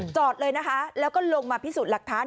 จอดเลยนะคะแล้วก็ลงมาพิสูจน์หลักฐาน